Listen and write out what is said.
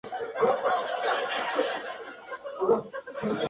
Craxi fue un hombre que dividió.